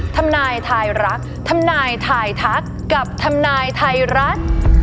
ทำนายทายรักทำนายทายทักกับทำนายไทยรัฐ